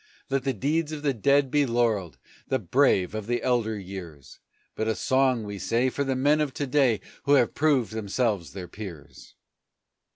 Let the deeds of the dead be laurelled, the brave of the elder years, But a song, we say, for the men of to day, who have proved themselves their peers!